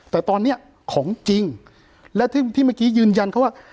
แต่ตอนนี้ของจริงและที่เมื่อกี้ยืนยันเขาว่า